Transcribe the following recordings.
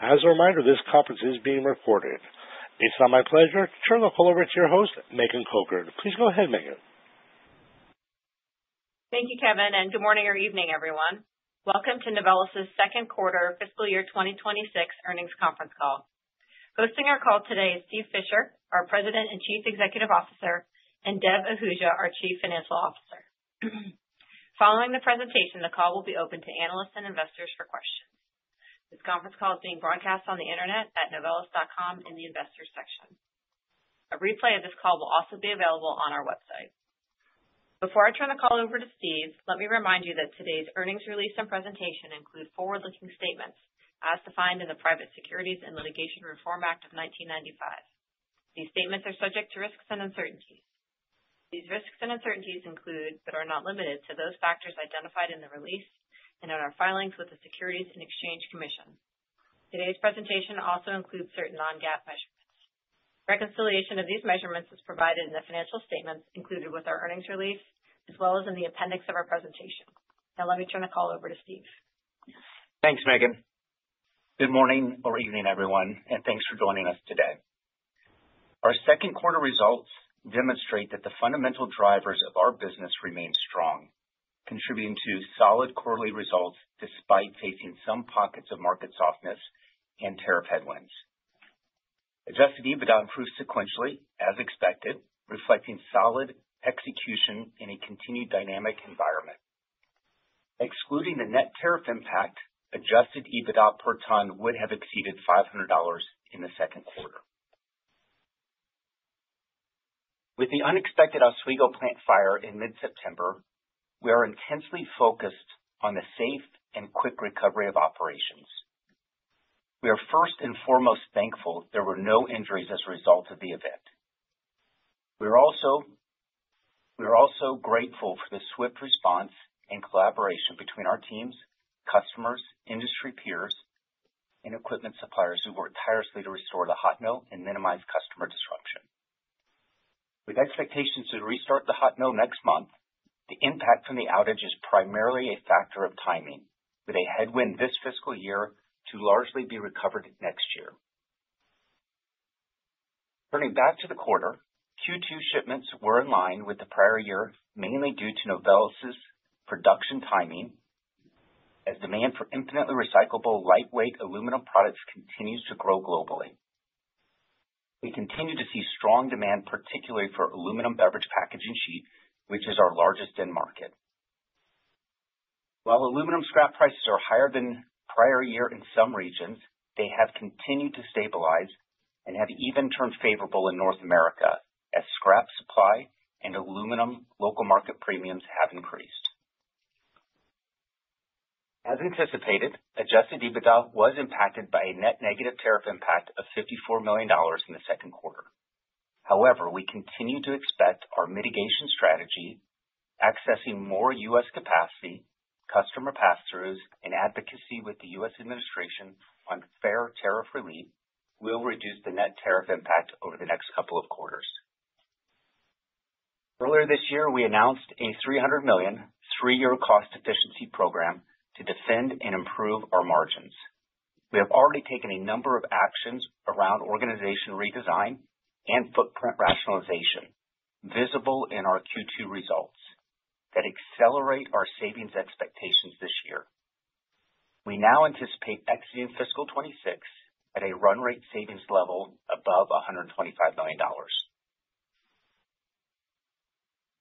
As a reminder, this conference is being recorded. It's now my pleasure to turn the call over to your host, Megan Cox. Please go ahead, Megan. Thank you, Kevin, and good morning or evening, everyone. Welcome to Novelis' second quarter fiscal year 2026 earnings conference call. Hosting our call today is Steve Fisher, our President and Chief Executive Officer, and Dev Ahuja, our Chief Financial Officer. Following the presentation, the call will be open to analysts and investors for questions. This conference call is being broadcast on the internet at novelis.com in the Investors section. A replay of this call will also be available on our website. Before I turn the call over to Steve, let me remind you that today's earnings release and presentation include forward-looking statements as defined in the Private Securities Litigation Reform Act of 1995. These statements are subject to risks and uncertainties. These risks and uncertainties include, but are not limited to, those factors identified in the release and in our filings with the Securities and Exchange Commission. Today's presentation also includes certain non-GAAP measurements. Reconciliation of these measurements is provided in the financial statements included with our earnings release, as well as in the appendix of our presentation. Now, let me turn the call over to Steve. Thanks, Megan. Good morning or evening, everyone, and thanks for joining us today. Our second quarter results demonstrate that the fundamental drivers of our business remain strong, contributing to solid quarterly results despite facing some pockets of market softness and tariff headwinds. Adjusted EBITDA improved sequentially, as expected, reflecting solid execution in a continued dynamic environment. Excluding the net tariff impact, adjusted EBITDA per ton would have exceeded $500 in the second quarter. With the unexpected Oswego plant fire in mid-September, we are intensely focused on the safe and quick recovery of operations. We are first and foremost thankful there were no injuries as a result of the event. We are also grateful for the swift response and collaboration between our teams, customers, industry peers, and equipment suppliers, who worked tirelessly to restore the hot mill and minimize customer disruption. With expectations to restart the hot mill next month, the impact from the outage is primarily a factor of timing, with a headwind this fiscal year to largely be recovered next year. Turning back to the quarter, Q2 shipments were in line with the prior year, mainly due to Novelis' production timing, as demand for infinitely recyclable, lightweight aluminum products continues to grow globally. We continue to see strong demand, particularly for aluminum beverage packaging sheet, which is our largest end market. While aluminum scrap prices are higher than prior year in some regions, they have continued to stabilize and have even turned favorable in North America, as scrap supply and aluminum local market premiums have increased. As anticipated, adjusted EBITDA was impacted by a net negative tariff impact of $54 million in the second quarter. We continue to expect our mitigation strategy, accessing more U.S. capacity, customer pass-throughs, and advocacy with the U.S. administration on fair tariff relief, will reduce the net tariff impact over the next couple of quarters. Earlier this year, we announced a $300 million, 3-year cost efficiency program to defend and improve our margins. We have already taken a number of actions around organization redesign and footprint rationalization, visible in our Q2 results, that accelerate our savings expectations this year. We now anticipate exiting fiscal 26 at a run rate savings level above $125 million.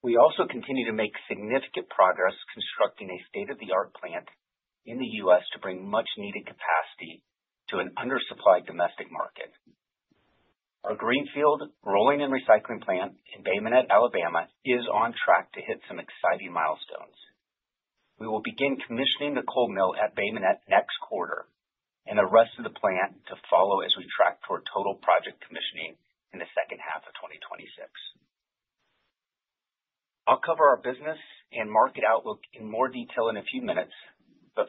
We also continue to make significant progress constructing a state-of-the-art plant in the U.S. to bring much-needed capacity to an undersupplied domestic market. Our Greenfield rolling and recycling plant in Bay Minette, Alabama, is on track to hit some exciting milestones. We will begin commissioning the cold mill at Bay Minette next quarter. The rest of the plant to follow as we track toward total project commissioning in the second half of 2026. I'll cover our business and market outlook in more detail in a few minutes.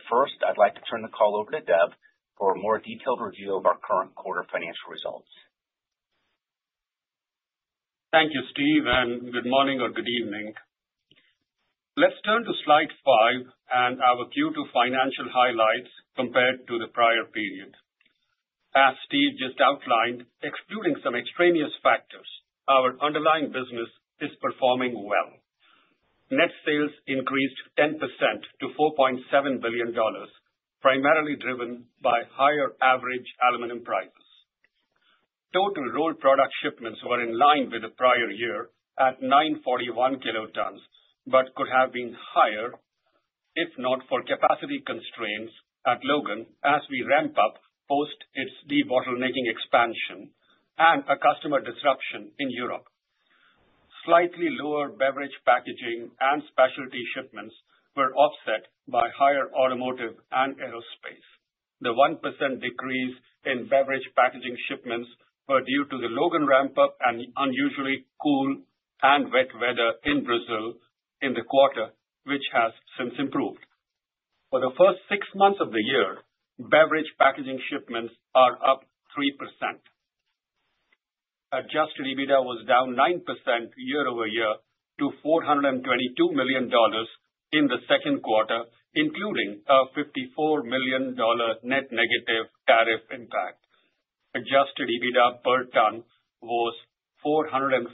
First, I'd like to turn the call over to Dev for a more detailed review of our current quarter financial results. Thank you, Steve. Good morning or good evening. Let's turn to slide 5 and our Q2 financial highlights compared to the prior period. As Steve just outlined, excluding some extraneous factors, our underlying business is performing well. Net sales increased 10% to $4.7 billion, primarily driven by higher average aluminum prices. Total rolled product shipments were in line with the prior year at 941 kilotons, but could have been higher if not for capacity constraints at Logan as we ramp up post its debottlenecking expansion and a customer disruption in Europe. Slightly lower beverage packaging and specialty shipments were offset by higher automotive and aerospace. The 1% decrease in beverage packaging shipments were due to the Logan ramp-up and the unusually cool and wet weather in Brazil in the quarter, which has since improved. For the first 6 months of the year, beverage packaging shipments are up 3%. Adjusted EBITDA was down 9% year-over-year to $422 million in the second quarter, including a $54 million net negative tariff impact. Adjusted EBITDA per ton was $448,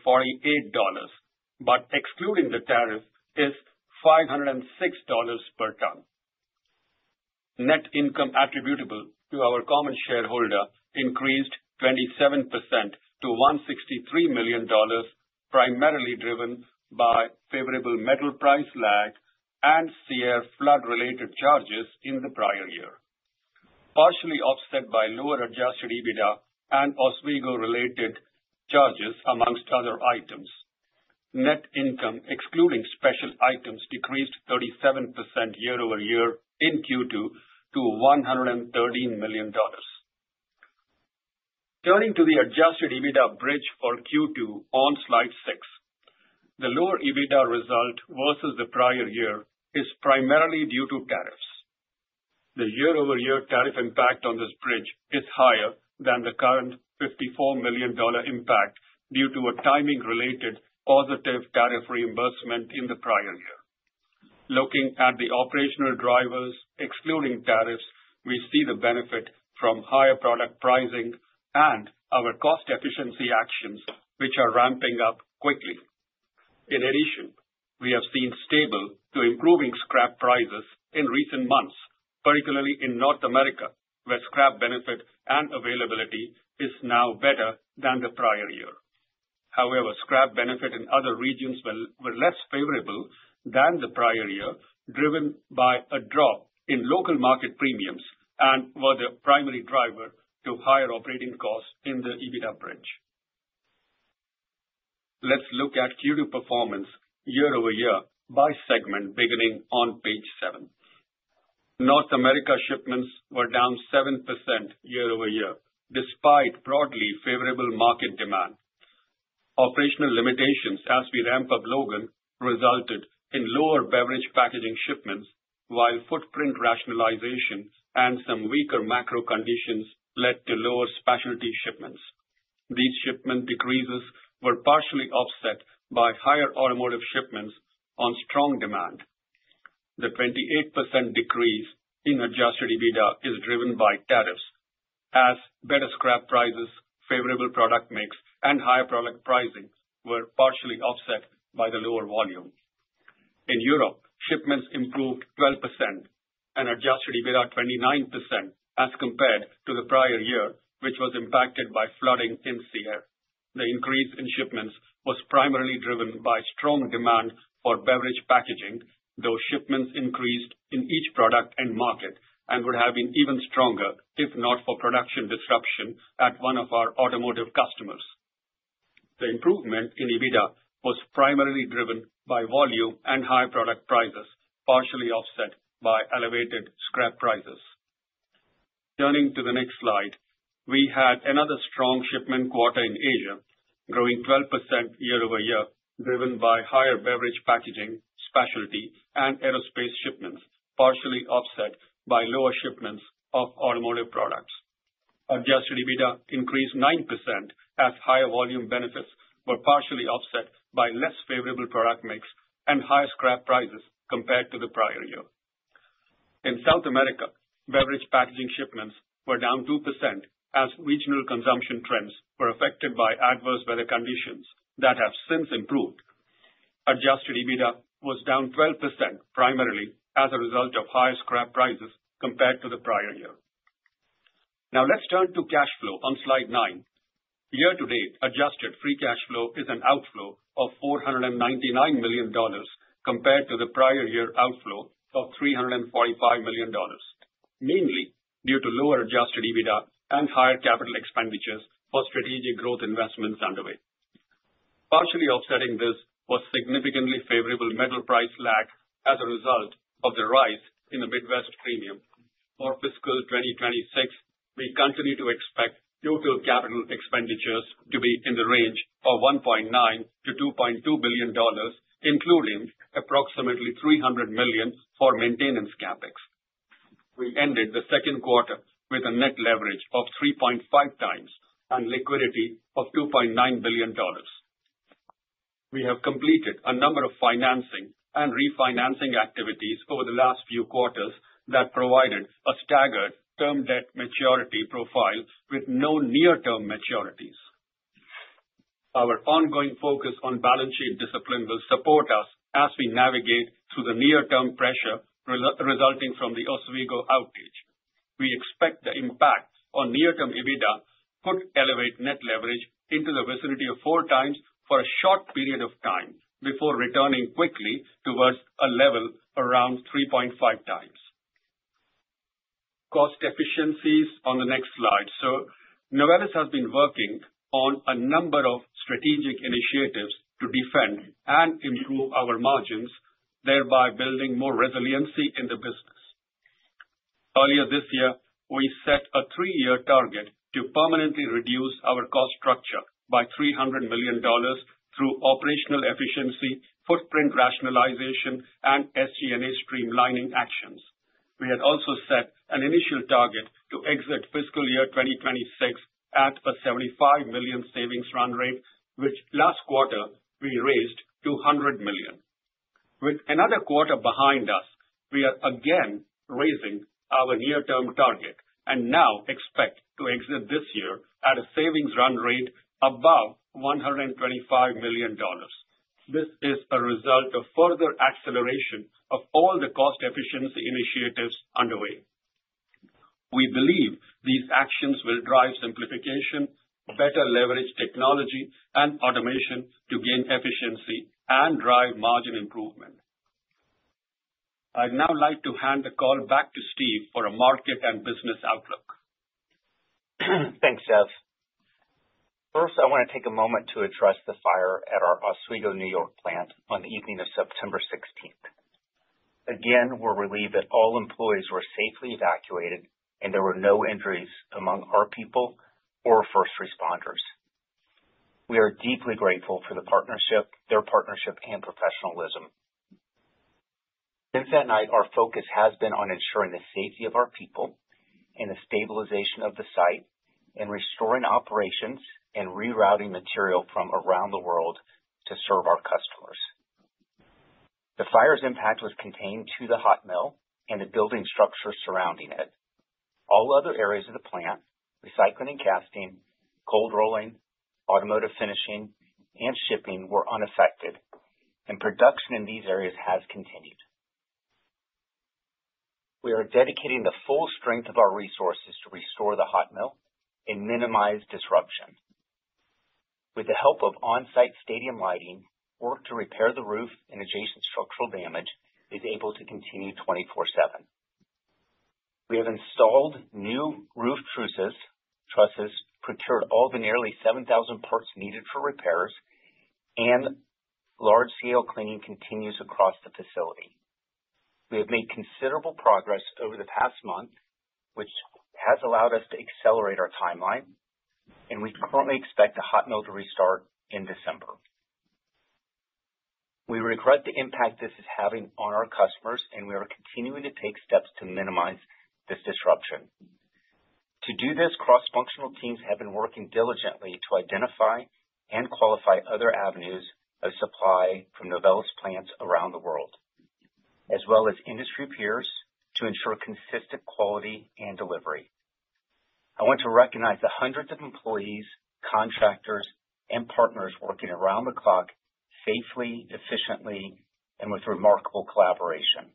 excluding the tariff, is $506 per ton. Net income attributable to our common shareholder increased 27% to $163 million, primarily driven by favorable metal price lag and severe flood-related charges in the prior year, partially offset by lower adjusted EBITDA and Oswego-related charges, amongst other items. Net income, excluding special items, decreased 37% year-over-year in Q2 to $113 million. Turning to the adjusted EBITDA bridge for Q2 on slide 6. The lower EBITDA result versus the prior year is primarily due to tariffs. The year-over-year tariff impact on this bridge is higher than the current $54 million impact, due to a timing-related positive tariff reimbursement in the prior year. Looking at the operational drivers, excluding tariffs, we see the benefit from higher product pricing and our cost efficiency actions, which are ramping up quickly. In addition, we have seen stable to improving scrap prices in recent months, particularly in North America, where scrap benefit and availability is now better than the prior year. Scrap benefit in other regions were less favorable than the prior year, driven by a drop in local market premiums and were the primary driver to higher operating costs in the EBITDA bridge. Let's look at Q2 performance year-over-year by segment, beginning on page 7. North America shipments were down 7% year-over-year, despite broadly favorable market demand. Operational limitations as we ramp up Logan, resulted in lower beverage packaging shipments, while footprint rationalization and some weaker macro conditions led to lower specialty shipments. These shipment decreases were partially offset by higher automotive shipments on strong demand. The 28% decrease in adjusted EBITDA is driven by tariffs, as better scrap prices, favorable product mix, and higher product pricing were partially offset by the lower volume. In Europe, shipments improved 12% and adjusted EBITDA 29% as compared to the prior year, which was impacted by flooding in Sierre. The increase in shipments was primarily driven by strong demand for beverage packaging, though shipments increased in each product and market and would have been even stronger if not for production disruption at one of our automotive customers. The improvement in EBITDA was primarily driven by volume and high product prices, partially offset by elevated scrap prices. Turning to the next slide. We had another strong shipment quarter in Asia, growing 12% year-over-year, driven by higher beverage packaging, specialty, and aerospace shipments, partially offset by lower shipments of automotive products. Adjusted EBITDA increased 9%, as higher volume benefits were partially offset by less favorable product mix and higher scrap prices compared to the prior year. In South America, beverage packaging shipments were down 2%, as regional consumption trends were affected by adverse weather conditions that have since improved. Adjusted EBITDA was down 12%, primarily as a result of higher scrap prices compared to the prior year. Let's turn to cash flow on slide 9. Year-to-date, adjusted free cash flow is an outflow of $499 million compared to the prior year outflow of $345 million, mainly due to lower adjusted EBITDA and higher capital expenditures for strategic growth investments underway. Partially offsetting this was significantly favorable metal price lag as a result of the rise in the Midwest premium. For fiscal 2026, we continue to expect total capital expenditures to be in the range of $1.9 billion-$2.2 billion, including approximately $300 million for maintenance CapEx. We ended the second quarter with a net leverage of 3.5x and liquidity of $2.9 billion. We have completed a number of financing and refinancing activities over the last few quarters that provided a staggered term debt maturity profile with no near-term maturities. Our ongoing focus on balance sheet discipline will support us as we navigate through the near-term pressure resulting from the Oswego outage. We expect the impact on near-term EBITDA could elevate net leverage into the vicinity of 4 times for a short period of time, before returning quickly towards a level around 3.5 times. Cost efficiencies on the next slide. Novelis has been working on a number of strategic initiatives to defend and improve our margins, thereby building more resiliency in the business. Earlier this year, we set a three-year target to permanently reduce our cost structure by $300 million through operational efficiency, footprint rationalization, and SG&A streamlining actions. We had also set an initial target to exit fiscal year 2026 at a $75 million savings run rate, which last quarter we raised to $100 million. With another quarter behind us, we are again raising our near-term target and now expect to exit this year at a savings run rate above $125 million. This is a result of further acceleration of all the cost efficiency initiatives underway. We believe these actions will drive simplification, better leverage technology, and automation to gain efficiency and drive margin improvement. I'd now like to hand the call back to Steve for a market and business outlook. Thanks, Dev. First, I want to take a moment to address the fire at our Oswego, N.Y. plant on the evening of September 16th. We're relieved that all employees were safely evacuated and there were no injuries among our people or first responders. We are deeply grateful for their partnership and professionalism. Since that night, our focus has been on ensuring the safety of our people, and the stabilization of the site, and restoring operations, and rerouting material from around the world to serve our customers. The fire's impact was contained to the hot mill and the building structure surrounding it. All other areas of the plant, recycling and casting, cold rolling, automotive finishing, and shipping, were unaffected, and production in these areas has continued. We are dedicating the full strength of our resources to restore the hot mill and minimize disruption. With the help of on-site stadium lighting, work to repair the roof and adjacent structural damage is able to continue 24/7. We have installed new roof trusses, procured all the nearly 7,000 parts needed for repairs. Large-scale cleaning continues across the facility. We have made considerable progress over the past month, which has allowed us to accelerate our timeline. We currently expect the hot mill to restart in December. We regret the impact this is having on our customers. We are continuing to take steps to minimize this disruption. To do this, cross-functional teams have been working diligently to identify and qualify other avenues of supply from Novelis plants around the world, as well as industry peers, to ensure consistent quality and delivery. I want to recognize the hundreds of employees, contractors, and partners working around the clock, safely, efficiently, and with remarkable collaboration.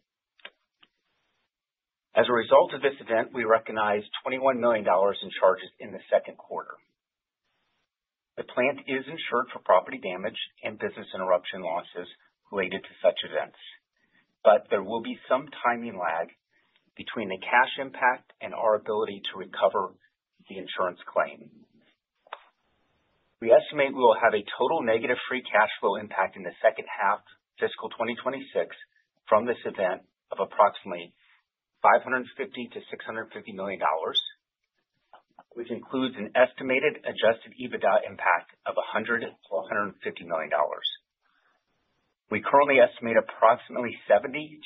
As a result of this event, we recognized $21 million in charges in the 2Q. The plant is insured for property damage and business interruption losses related to such events, there will be some timing lag between the cash impact and our ability to recover the insurance claim. We estimate we will have a total negative free cash flow impact in the second half fiscal 2026 from this event of approximately $550 million-$650 million, which includes an estimated adjusted EBITDA impact of $100 million-$150 million. We currently estimate approximately 70%-80%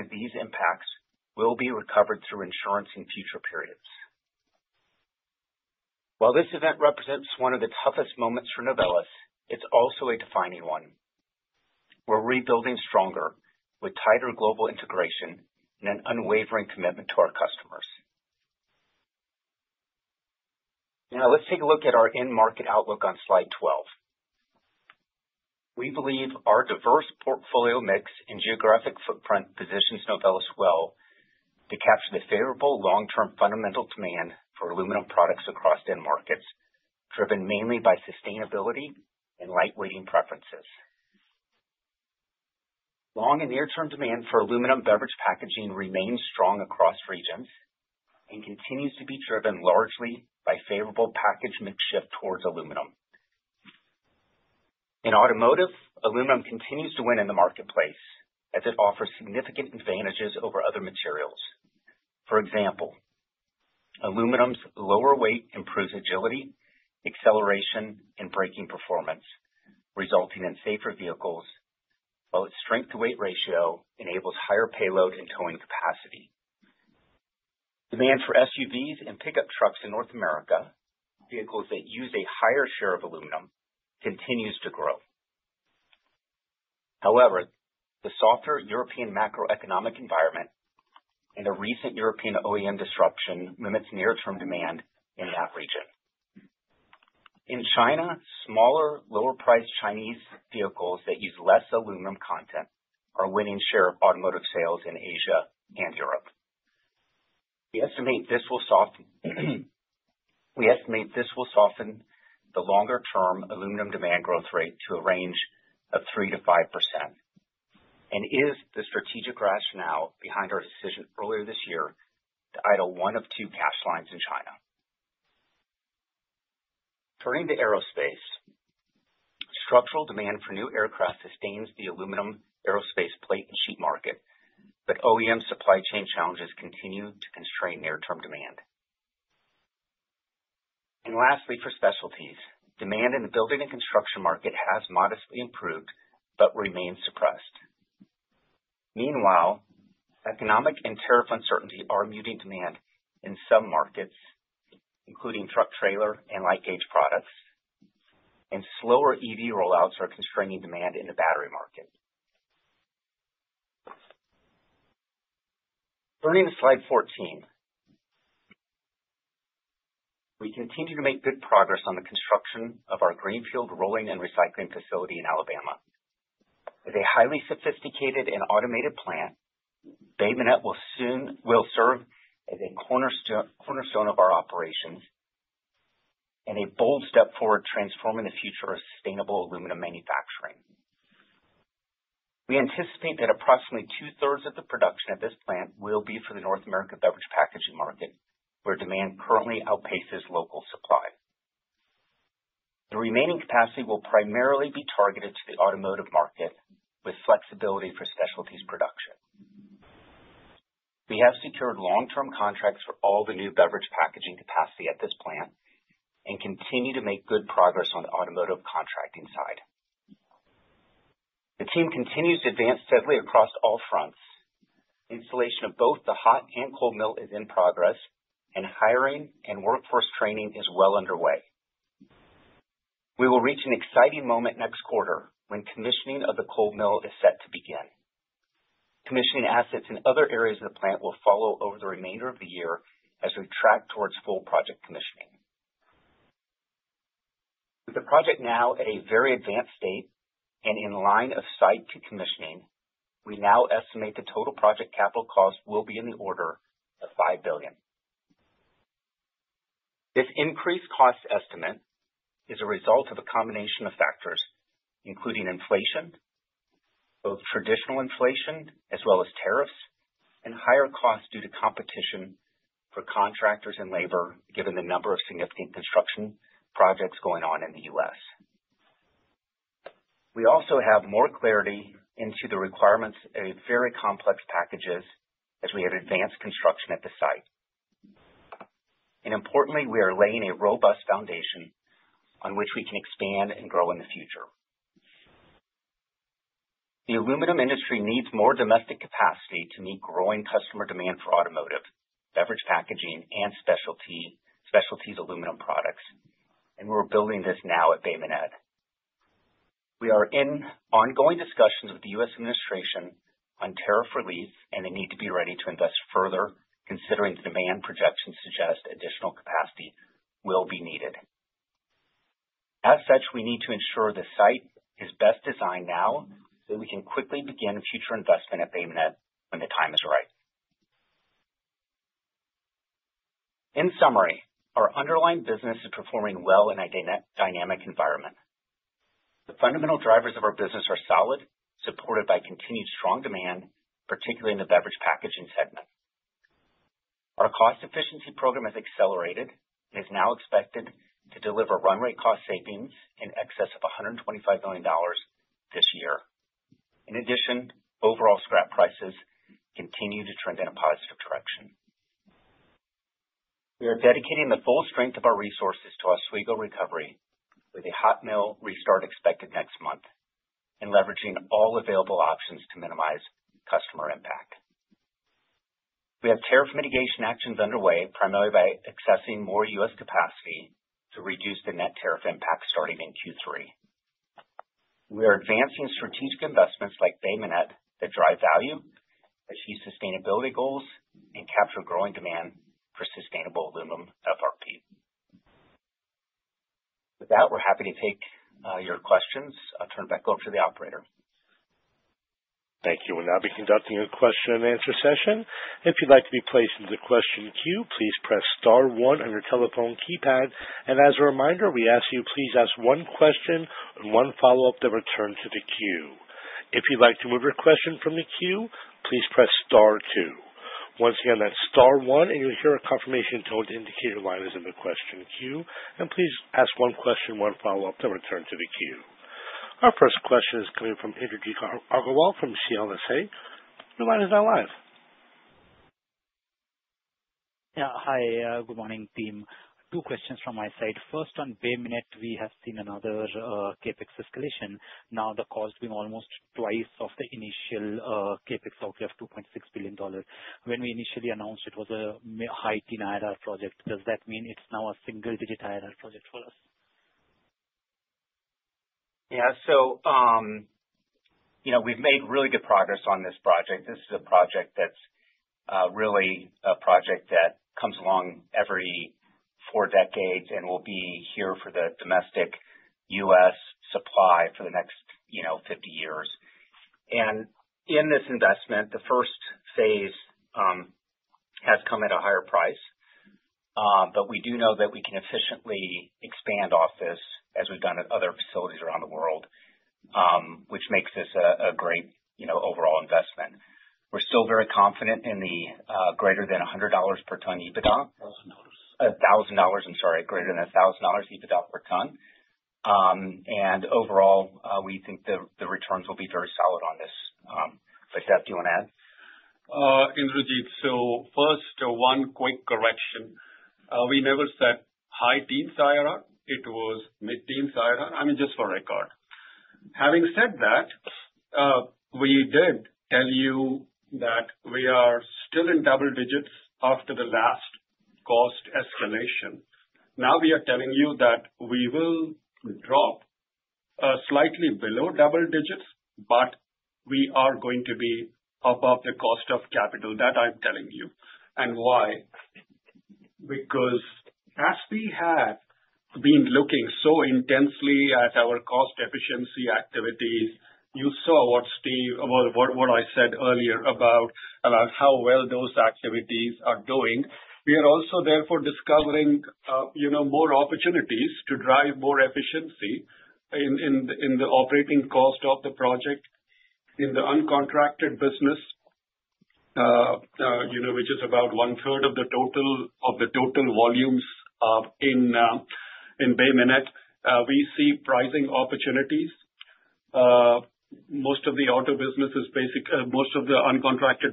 of these impacts will be recovered through insurance in future periods. While this event represents one of the toughest moments for Novelis, it's also a defining one. We're rebuilding stronger with tighter global integration and an unwavering commitment to our customers. Let's take a look at our end market outlook on slide 12. We believe our diverse portfolio mix and geographic footprint positions Novelis well to capture the favorable long-term fundamental demand for aluminum products across end markets, driven mainly by sustainability and lightweighting preferences. Long- and near-term demand for aluminum beverage packaging remains strong across regions and continues to be driven largely by favorable package mix shift towards aluminum. In automotive, aluminum continues to win in the marketplace as it offers significant advantages over other materials. For example, aluminum's lower weight improves agility, acceleration, and braking performance, resulting in safer vehicles, while its strength-to-weight ratio enables higher payload and towing capacity. Demand for SUVs and pickup trucks in North America, vehicles that use a higher share of aluminum, continues to grow. However, the softer European macroeconomic environment and the recent European OEM disruption limits near-term demand in that region. In China, smaller, lower-priced Chinese vehicles that use less aluminum content are winning share of automotive sales in Asia and Europe. We estimate this will soften the longer-term aluminum demand growth rate to a range of 3%-5%, and is the strategic rationale behind our decision earlier this year to idle one of two casting lines in China. Turning to aerospace. Structural demand for new aircraft sustains the aluminum aerospace plate and sheet market, but OEM supply chain challenges continue to constrain near-term demand. Lastly, for specialties, demand in the building and construction market has modestly improved but remains suppressed. Meanwhile, economic and tariff uncertainty are muting demand in some markets, including truck trailer and light gauge products, and slower EV rollouts are constraining demand in the battery market. Turning to Slide 14. We continue to make good progress on the construction of our greenfield rolling and recycling facility in Alabama. As a highly sophisticated and automated plant, Bay Minette will serve as a cornerstone of our operations and a bold step forward transforming the future of sustainable aluminum manufacturing. We anticipate that approximately 2/3 of the production at this plant will be for the North American beverage packaging market, where demand currently outpaces local supply. The remaining capacity will primarily be targeted to the automotive market, with flexibility for specialties production. We have secured long-term contracts for all the new beverage packaging capacity at this plant and continue to make good progress on the automotive contracting side. The team continues to advance steadily across all fronts. Installation of both the hot and cold mill is in progress, and hiring and workforce training is well underway. We will reach an exciting moment next quarter when commissioning of the cold mill is set to begin. Commissioning assets in other areas of the plant will follow over the remainder of the year as we track towards full project commissioning. With the project now at a very advanced state and in line of sight to commissioning, we now estimate the total project capital cost will be in the order of $5 billion. This increased cost estimate is a result of a combination of factors, including inflation, both traditional inflation as well as tariffs, and higher costs due to competition for contractors and labor, given the number of significant construction projects going on in the U.S. We also have more clarity into the requirements of very complex packages as we have advanced construction at the site. Importantly, we are laying a robust foundation on which we can expand and grow in the future. The aluminum industry needs more domestic capacity to meet growing customer demand for automotive, beverage, packaging, and specialties aluminum products. We're building this now at Bay Minette. We are in ongoing discussions with the U.S. administration on tariff relief, and the need to be ready to invest further, considering demand projections suggest additional capacity will be needed. As such, we need to ensure the site is best designed now, so we can quickly begin future investment at Bay Minette when the time is right. In summary, our underlying business is performing well in a dynamic environment. The fundamental drivers of our business are solid, supported by continued strong demand, particularly in the beverage packaging segment. Our cost efficiency program has accelerated and is now expected to deliver run rate cost savings in excess of $125 million this year. In addition, overall scrap prices continue to trend in a positive direction. We are dedicating the full strength of our resources to Oswego recovery, with a hot mill restart expected next month, and leveraging all available options to minimize customer impact. We have tariff mitigation actions underway, primarily by accessing more U.S. capacity, to reduce the net tariff impact starting in Q3. We are advancing strategic investments like Bay Minette that drive value, achieve sustainability goals, and capture growing demand for sustainable aluminum FRP. With that, we're happy to take your questions. I'll turn it back over to the operator. Thank you. We'll now be conducting a question and answer session. If you'd like to be placed into the question queue, please press star one on your telephone keypad. As a reminder, we ask you, please ask one question and one follow-up, then return to the queue. If you'd like to remove your question from the queue, please press star two. Once again, that's star one, and you'll hear a confirmation tone to indicate your line is in the question queue. Please ask one question, one follow-up, then return to the queue. Our first question is coming from Indrajit Agarwal from CLSA. Your line is now live. Hi, good morning, team. Two questions from my side. First, on Bay Minette, we have seen another CapEx escalation. Now, the cost being almost twice of the initial CapEx of $2.6 billion. When we initially announced, it was a high-teen IRR project, does that mean it's now a single-digit IRR project for us? Yeah. You know, we've made really good progress on this project. This is a project that's really a project that comes along every 4 decades and will be here for the domestic U.S. supply for the next, you know, 50 years. In this investment, the first phase has come at a higher price. We do know that we can efficiently expand off this as we've done at other facilities around the world, which makes this a great, you know, overall investment. We're still very confident in the greater than $100 per ton EBITDA. $1,000. $1,000, I'm sorry, greater than $1,000 EBITDA per ton. Overall, we think the returns will be very solid on this. Dev, do you want to add? Indrajit, so first, one quick correction. We never said high teen IRR, it was mid-teen IRR. I mean, just for record. Having said that, we did tell you that we are still in double digits after the last cost escalation. Now, we are telling you that we will drop slightly below double digits, but we are going to be above the cost of capital. That I'm telling you. Why? Because as we have been looking so intensely at our cost efficiency activities, you saw what Steve, what I said earlier about how well those activities are doing. We are also therefore discovering, you know, more opportunities to drive more efficiency in the operating cost of the project. In the uncontracted business, you know, which is about 1/3 of the total volumes, in Bay Minette, we see pricing opportunities. Most of the uncontracted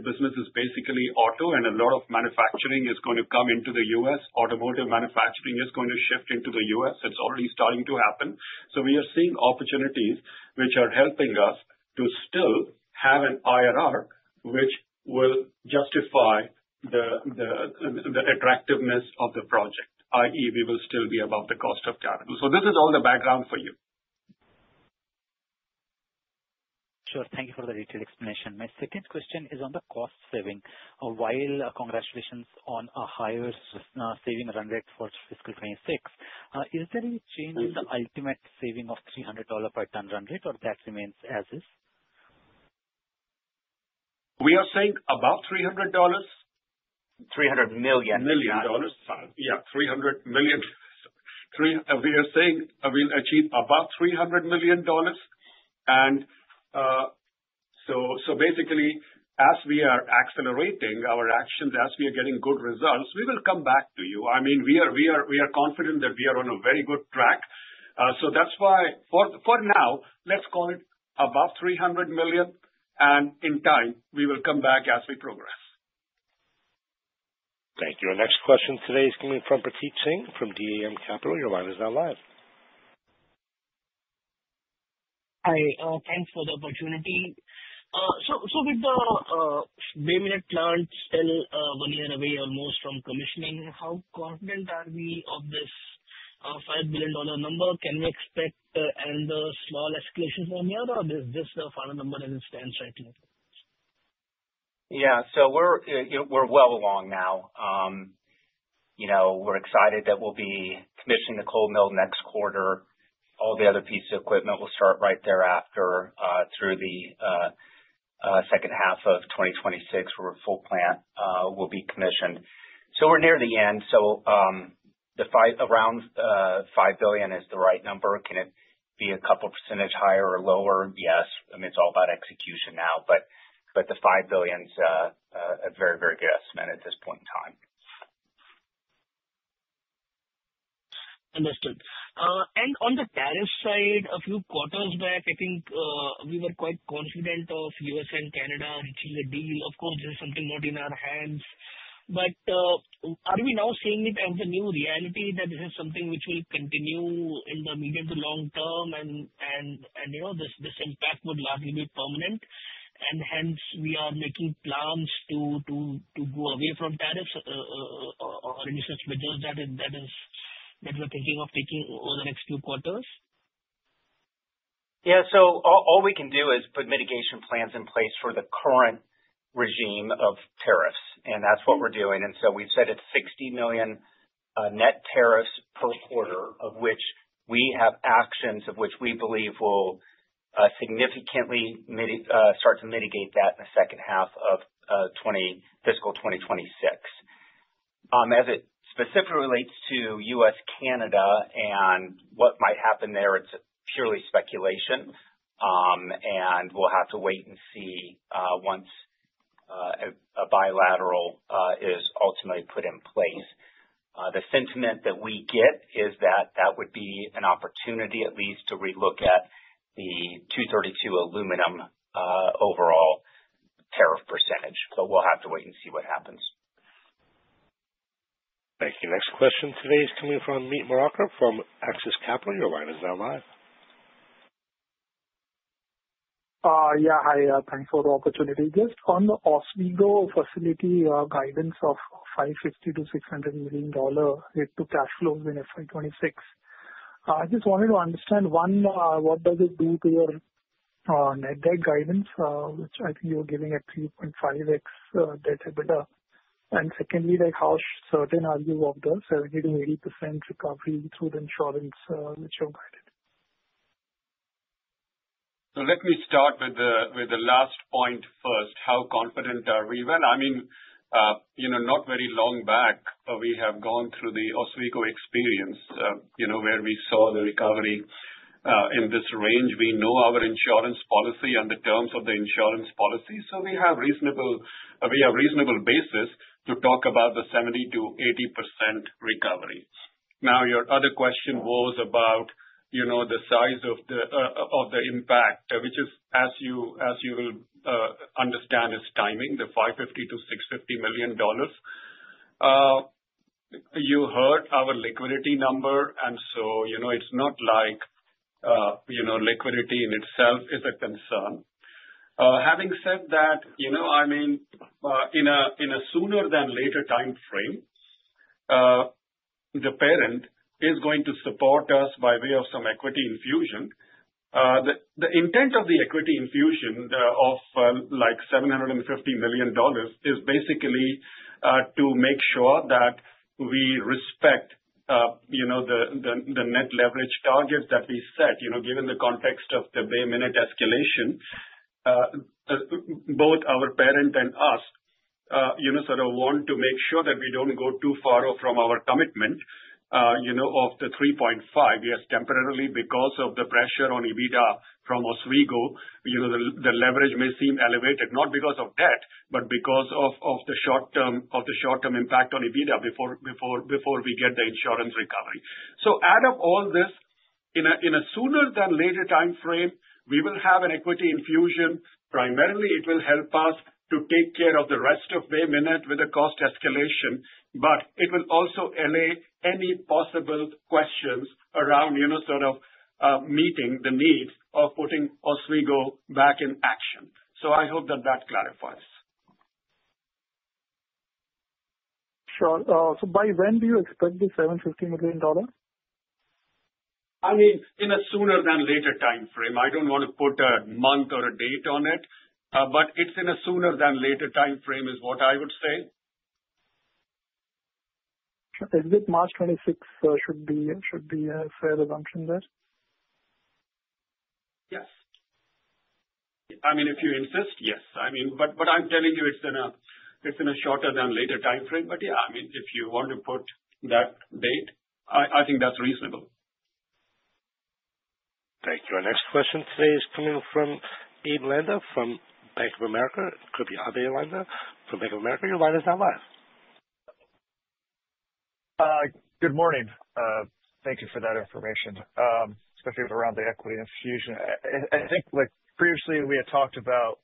business is basically auto, and a lot of manufacturing is going to come into the U.S. Automotive manufacturing is going to shift into the U.S. It's already starting to happen. We are seeing opportunities which are helping us to still have an IRR, which will justify the attractiveness of the project, i.e., we will still be above the cost of capital. This is all the background for you. Sure. Thank you for the detailed explanation. My second question is on the cost saving. While congratulations on a higher saving run rate for fiscal 26, is there any change in the ultimate saving of $300 per ton run rate, or that remains as is? We are saying above $300. $300 million dollars. Yeah, $300 million. We are saying we'll achieve above $300 million. Basically, as we are accelerating our actions, as we are getting good results, we will come back to you. I mean, we are confident that we are on a very good track. That's why for now, let's call it above $300 million, and in time, we will come back as we progress. Thank you. Our next question today is coming from Prateek Singh, from DAM Capital. Your line is now live. Hi, thanks for the opportunity. With the Bay Minette plant still, one year away or almost from commissioning, how confident are we of this $5 billion number? Can we expect any small escalations from here, or is this the final number as it stands right now? Yeah. We're, you know, we're well along now. You know, we're excited that we'll be commissioning the cold mill next quarter. All the other pieces of equipment will start right thereafter, through the second half of 2026, where a full plant will be commissioned. We're near the end. The five... around $5 billion is the right number. Can it be a couple percentage higher or lower? Yes. I mean, it's all about execution now, but the $5 billion is a very, very good estimate at this point in time. Understood. On the tariff side, a few quarters back, I think, we were quite confident of U.S. and Canada reaching a deal. Of course, this is something not in our hands, but, are we now seeing it as a new reality, that this is something which will continue in the medium to long term and, you know, this impact would largely be permanent, and hence we are making plans to go away from tariffs, or any such measures that we're thinking of taking over the next few quarters? All we can do is put mitigation plans in place for the current regime of tariffs, and that's what we're doing. We've said it's $60 million net tariffs per quarter, of which we have actions of which we believe will significantly start to mitigate that in the second half of fiscal 2026. As it specifically relates to U.S., Canada, and what might happen there, it's purely speculation, and we'll have to wait and see once a bilateral is ultimately put in place. The sentiment that we get is that that would be an opportunity at least to relook at the Section 232 aluminum overall tariff %, but we'll have to wait and see what happens. Thank you. Next question today is coming from Mehul Dama from AXIS Capital. Your line is now live. Yeah, hi. Thanks for the opportunity. Just on the Oswego facility, guidance of $550 million-$600 million related to cash flows in FY 2026. I just wanted to understand, one, what does it do to your net debt guidance, which I think you're giving a 3.5x debt to EBITDA? Secondly, like, how certain are you of this, getting 80% recovery through the insurance, which you've guided? Let me start with the, with the last point first. How confident are we? Well, I mean, you know, not very long back, we have gone through the Oswego experience, you know, where we saw the recovery, in this range. We know our insurance policy and the terms of the insurance policy, so we have reasonable basis to talk about the 70%-80% recovery. Your other question was about, you know, the size of the, of the impact, which is, as you will, understand, it's timing, the $550 million-$650 million. You heard our liquidity number, and so, you know, it's not like, you know, liquidity in itself is a concern. Having said that, you know, I mean, in a sooner than later timeframe, the parent is going to support us by way of some equity infusion. The intent of the equity infusion, of like $750 million is basically to make sure that we respect, you know, the net leverage targets that we set. You know, given the context of the Bay Minette escalation, both our parent and us, you know, sort of want to make sure that we don't go too far off from our commitment, you know, of the 3.5. Yes, temporarily, because of the pressure on EBITDA from Oswego, you know, the leverage may seem elevated, not because of debt, but because of the short term, of the short-term impact on EBITDA before we get the insurance recovery. Add up all this, in a sooner than later timeframe, we will have an equity infusion. Primarily, it will help us to take care of the rest of Bay Minette with the cost escalation, but it will also allay any possible questions around, you know, sort of, meeting the need of putting Oswego back in action. I hope that clarifies. Sure. By when do you expect the $750 million? I mean, in a sooner than later timeframe. I don't want to put a month or a date on it, but it's in a sooner than later timeframe, is what I would say. Sure. This March 26, should be a fair assumption there? Yes. I mean, if you insist, yes. I mean, what I'm telling you, it's in a, it's in a shorter than later timeframe. Yeah, I mean, if you want to put that date, I think that's reasonable. Thank you. Our next question today is coming from Abe Lander from Bank of America. It could be Abe Lander from Bank of America. Your line is now live. Good morning. Thank you for that information, especially around the equity infusion. I think, like previously, we had talked about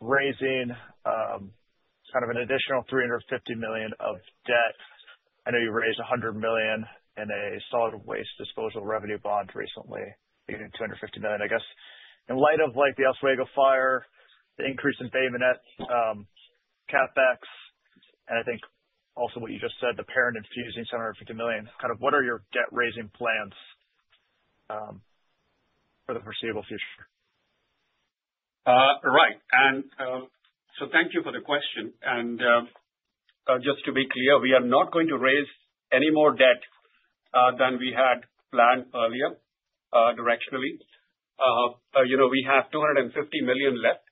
raising, kind of an additional $350 million of debt. I know you raised $100 million in a Solid Waste Disposal Revenue Bond recently, leaving $250 million. I guess, in light of, like, the Oswego fire, the increase in Bay Minette, CapEx, and I think also what you just said, the parent infusing $750 million, kind of what are your debt-raising plans for the foreseeable future? Right. Thank you for the question. Just to be clear, we are not going to raise any more debt than we had planned earlier, directionally. You know, we have $250 million left.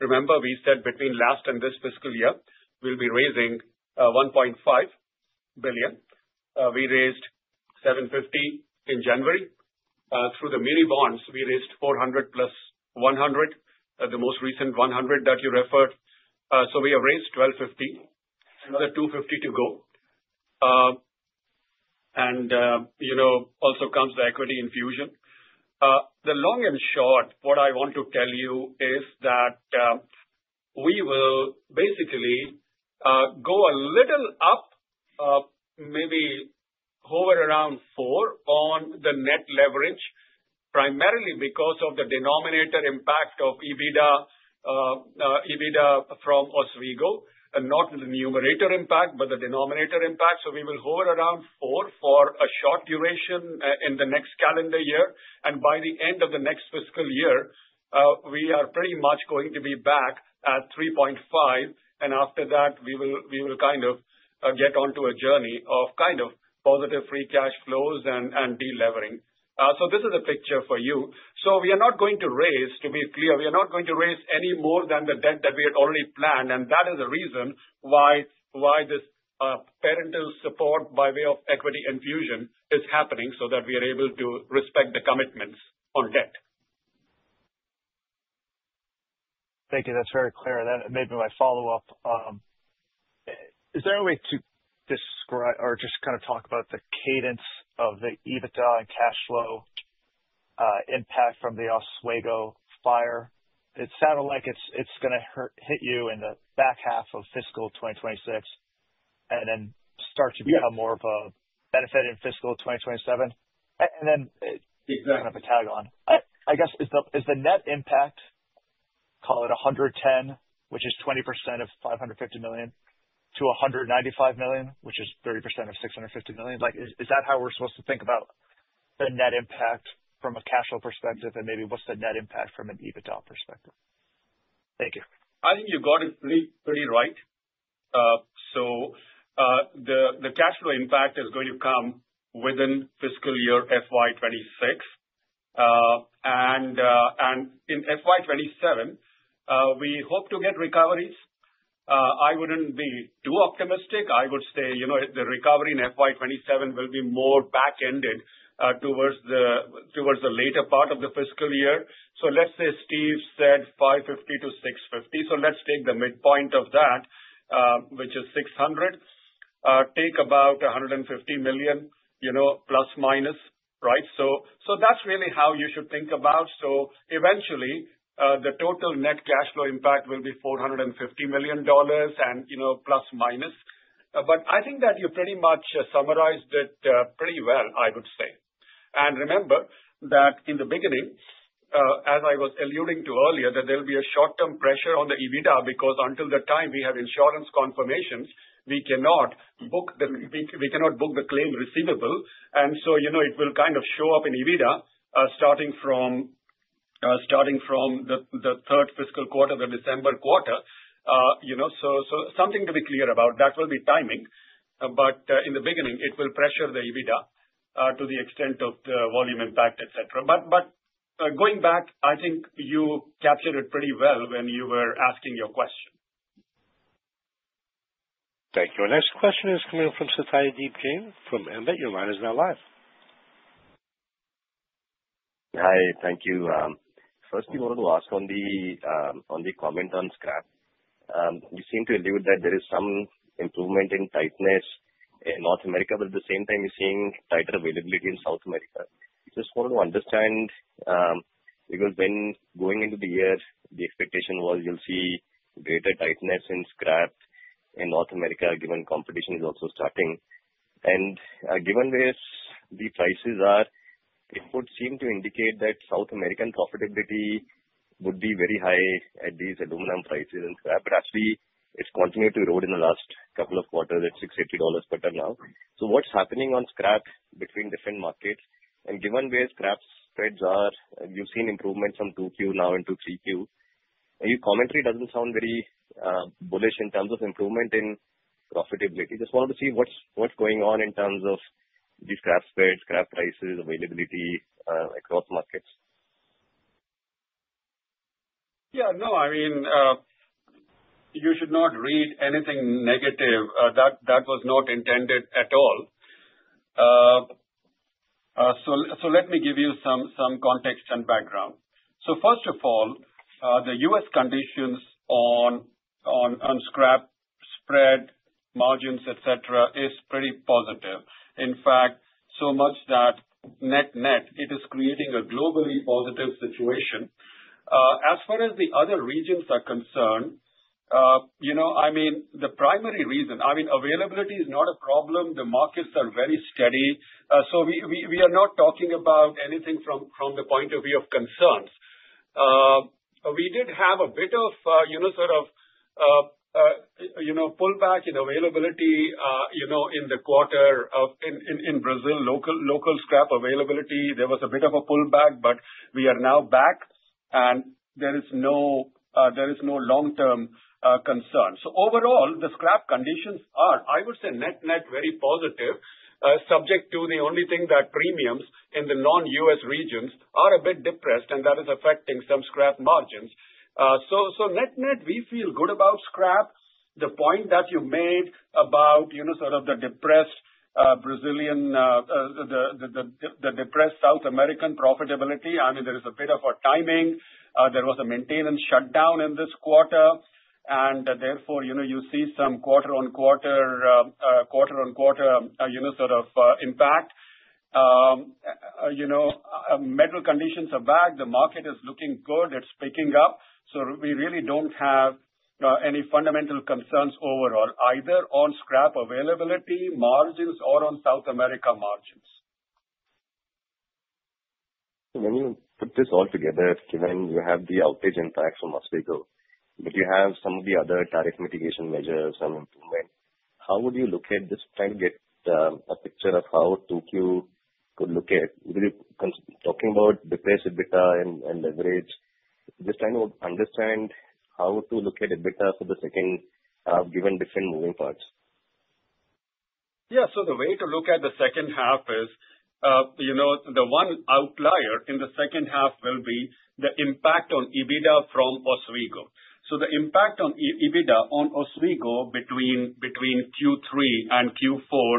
Remember, we said between last and this fiscal year, we'll be raising $1.5 billion. We raised $750 million in January. Through the muni bonds, we raised $400 million plus $100 million, the most recent $100 million that you referred. We have raised $1,250 million. Another $250 million to go. You know, also comes the equity infusion. The long and short, what I want to tell you is that, we will basically, go a little up, maybe hover around 4 on the net leverage, primarily because of the denominator impact of EBITDA from Oswego, and not the numerator impact, but the denominator impact. We will hover around 4 for a short duration in the next calendar year, and by the end of the next fiscal year, we are pretty much going to be back at 3.5. After that, we will kind of get onto a journey of kind of positive free cash flows and delevering. This is the picture for you. We are not going to raise... To be clear, we are not going to raise any more than the debt that we had already planned, and that is the reason why this parental support by way of equity infusion is happening, so that we are able to respect the commitments on debt. Thank you. That's very clear. That made my follow-up. Is there a way to describe or just kind of talk about the cadence of the EBITDA and cash flow impact from the Oswego fire? It sounded like it's going to hit you in the back half of fiscal 2026, and then start to become more of a benefit in fiscal 2027. Exactly. -kind of tag on. I guess, is the net impact, call it 110, which is 20% of $550 million, to $195 million, which is 30% of $650 million? Like, is that how we're supposed to think about the net impact from a cash flow perspective, and maybe what's the net impact from an EBITDA perspective? Thank you. I think you got it pretty right. The cash flow impact is going to come within fiscal year FY 26. In FY 27, we hope to get recoveries. I wouldn't be too optimistic. I would say, you know, the recovery in FY 27 will be more back-ended towards the later part of the fiscal year. Let's say Steve said, $550-$650, let's take the midpoint of that, which is 600, take about $150 million, you know, plus, minus, right? That's really how you should think about. Eventually, the total net cash flow impact will be $450 million and, you know, plus, minus. I think that you pretty much summarized it pretty well, I would say. Remember that in the beginning, as I was alluding to earlier, that there will be a short-term pressure on the EBITDA, because until the time we have insurance confirmations, we cannot book the claim receivable. You know, it will kind of show up in EBITDA, starting from the third fiscal quarter, the December quarter. Something to be clear about, that will be timing, but in the beginning, it will pressure the EBITDA to the extent of the volume impact, et cetera. Going back, I think you captured it pretty well when you were asking your question. Thank you. Our next question is coming from Satyadeep Jain from Ambit Capital. Your line is now live. Hi. Thank you. First we wanted to ask on the comment on scrap. You seem to allude that there is some improvement in tightness in North America, but at the same time, you're seeing tighter availability in South America. Just want to understand, because when going into the year, the expectation was you'll see greater tightness in scrap in North America, given competition is also starting. Given this, the prices are, it would seem to indicate that South American profitability would be very high at these aluminum prices and scrap. But actually it's continued to erode in the last couple of quarters at $680 per ton now. What's happening on scrap between different markets? Given where scrap spreads are, you've seen improvements from 2Q now into 3Q. Your commentary doesn't sound very bullish in terms of improvement in profitability. Just wanted to see what's going on in terms of the scrap spreads, scrap prices, availability across markets? Yeah. No, I mean, you should not read anything negative. That was not intended at all. Let me give you some context and background. First of all, the U.S. conditions on scrap spread, margins, et cetera, is pretty positive. In fact, so much that net-net, it is creating a globally positive situation. As far as the other regions are concerned, you know, I mean, the primary reason, I mean, availability is not a problem. The markets are very steady. We are not talking about anything from the point of view of concerns. We did have a bit of, you know, sort of, you know, pullback in availability, you know, in the quarter in Brazil, local scrap availability, there was a bit of a pullback, but we are now back, and there is no, there is no long-term, concern. Overall, the scrap conditions are, I would say, net-net, very positive, subject to the only thing that premiums in the non-US regions are a bit depressed, and that is affecting some scrap margins. Net-net, we feel good about scrap. The point that you made about, you know, sort of the depressed, Brazilian, the depressed South American profitability, I mean, there is a bit of a timing. There was a maintenance shutdown in this quarter, and therefore, you know, you see some quarter-on-quarter, you know, sort of, impact. You know, metal conditions are back, the market is looking good, it's picking up. We really don't have any fundamental concerns overall, either on scrap availability, margins, or on South America margins. When you put this all together, given you have the outage impacts from Oswego, but you have some of the other tariff mitigation measures and improvements, how would you look at this? Try and get a picture of how 2Q could look, whether you talking about depressed EBITDA and leverage. Just trying to understand how to look at EBITDA for the second, given different moving parts. Yeah. The way to look at the second half is, you know, the one outlier in the second half will be the impact on EBITDA from Oswego. The impact on EBITDA, on Oswego between Q3 and Q4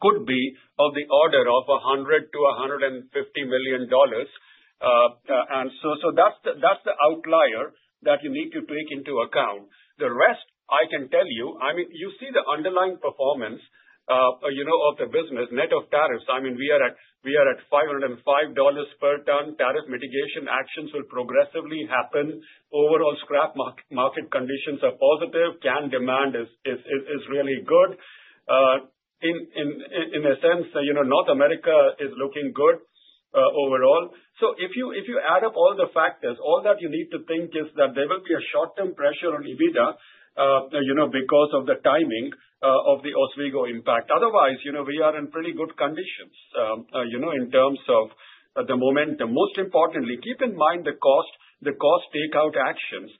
could be of the order of $100 million-$150 million. That's the outlier that you need to take into account. The rest, I can tell you, I mean, you see the underlying performance, you know, of the business net of tariffs. I mean, we are at $505 per ton. Tariff mitigation actions will progressively happen. Overall, scrap market conditions are positive. Can demand is really good. In a sense, you know, North America is looking good overall. If you add up all the factors, all that you need to think is that there will be a short-term pressure on EBITDA, you know, because of the timing, of the Oswego impact. Otherwise, you know, we are in pretty good conditions, you know, in terms of the momentum. Most importantly, keep in mind the cost takeout actions.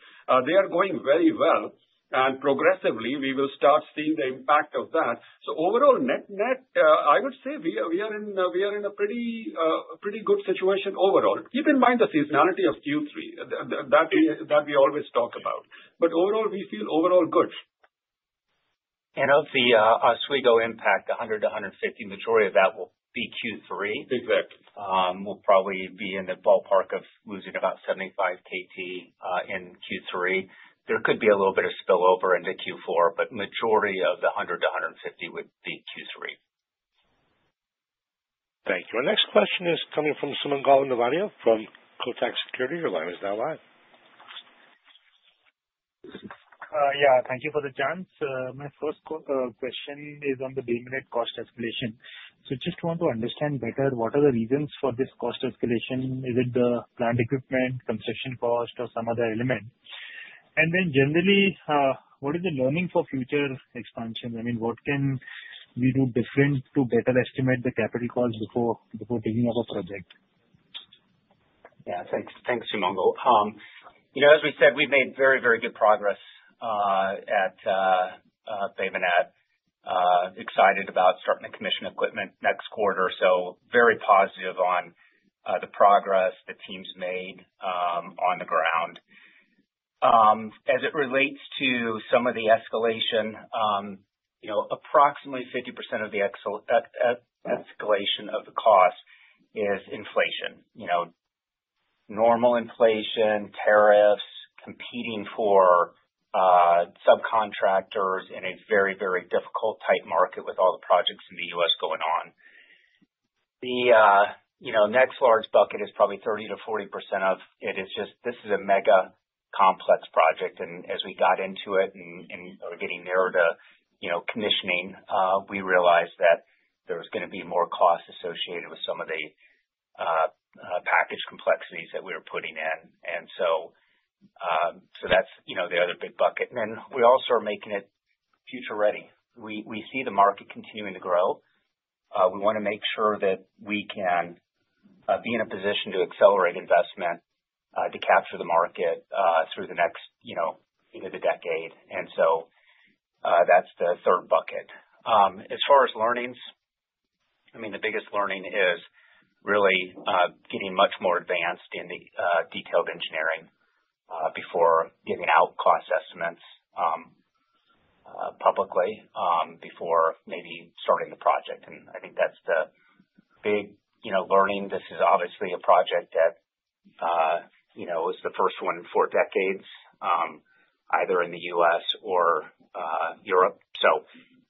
They are going very well, and progressively we will start seeing the impact of that. Overall, net-net, I would say we are in a pretty good situation overall. Keep in mind the seasonality of Q3, that we always talk about, but overall, we feel overall good. Of the Oswego impact, $100-$150, majority of that will be Q3? Exactly. We'll probably be in the ballpark of losing about 75 KT in Q3. There could be a little bit of spillover into Q4, but majority of the 100 KT-150 KT would be Q3. Thank you. Our next question is coming from Sumangal Navlani from Kotak Securities. Your line is now live. Yeah, thank you for the chance. My first question is on the Bay Minette cost escalation. Just want to understand better what are the reasons for this cost escalation? Is it the plant equipment, construction cost, or some other element? Then generally, what is the learning for future expansion? I mean, what can we do different to better estimate the capital costs before taking up a project? Yeah. Thanks, Sumangal. You know, as we said, we've made very, very good progress at Bay Minette. Excited about starting to commission equipment next quarter, very positive on the progress the team's made on the ground. As it relates to some of the escalation, you know, approximately 50% of the escalation of the cost is inflation. You know, normal inflation, tariffs, competing for subcontractors in a very, very difficult, tight market with all the projects in the U.S. going on. The, you know, next large bucket is probably 30%-40% of it is just this is a mega complex project, and as we got into it and are getting nearer to, you know, commissioning, we realized that there was gonna be more costs associated with some of the package complexities that we were putting in. That's, you know, the other big bucket. Then we also are making it future-ready. We see the market continuing to grow. We wanna make sure that we can be in a position to accelerate investment to capture the market through the next, you know, the decade. That's the third bucket. As far as learnings, I mean, the biggest learning is really getting much more advanced in the detailed engineering before giving out cost estimates publicly before maybe starting the project. I think that's the big, you know, learning. This is obviously a project that, you know, is the first one in four decades either in the U.S. or Europe.